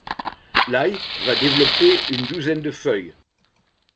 L'ail va développer une douzaine de feuilles.